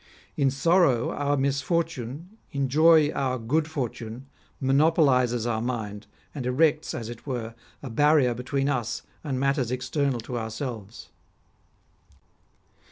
In sorrow our misfortune, in joy our good fortune, monopolises our mind, and erects, as it were, a barrier between us and matters external to ourselves.